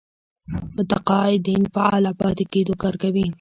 متقاعدين فعاله پاتې کېدو کار کوي.